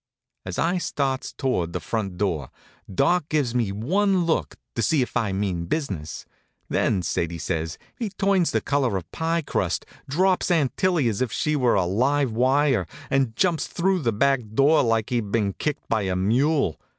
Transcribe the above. As I starts towards the front door Doc gives me one look, to see if I mean business. Then, Sadie says, he turns the color of pie crust, drops Aunt Tillie as if she was a live wire, and jumps through the back door like he'd been kicked by a mule.